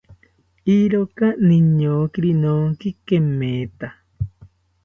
Iroka niñokiri noonki kemetha